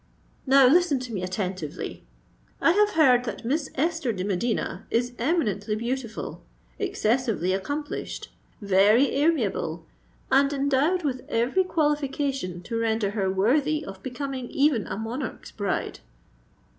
"Now, listen to me attentively. I have heard that Miss Esther de Medina is eminently beautiful—excessively accomplished—very amiable—and endowed with every qualification to render her worthy of becoming even a monarch's bride."